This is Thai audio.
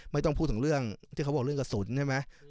ไม่ต้องพูดถึงเรื่องที่เขาบอกเรื่องกระสุนใช่ไหม